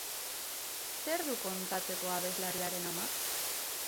Zer du kontatzeko abeslariaren amak?